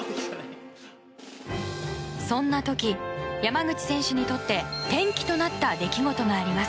そんな時、山口選手にとって転機となった出来事があります。